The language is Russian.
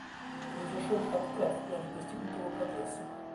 Произошел откат в плане достигнутого прогресса.